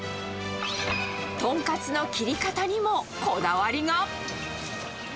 トンカツの切り方にもこだわりが。